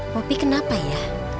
poppy kenapa ya